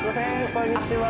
こんにちは